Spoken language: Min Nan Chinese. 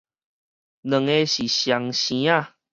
兩个是雙生仔